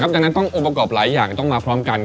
ดังนั้นต้ององค์ประกอบหลายอย่างต้องมาพร้อมกัน